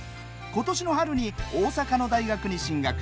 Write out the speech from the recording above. ことしの春に大阪の大学に進学。